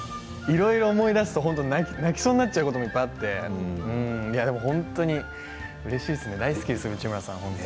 いろいろ思い出すと泣きそうになっちゃうこともいっぱいあって本当にうれしいですね大好きです、内村さん。